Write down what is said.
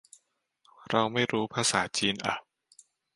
เราไม่รู้ภาษาจีนอ่ะ